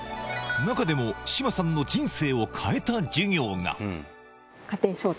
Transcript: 中でも志麻さんの人生を変え家庭招待。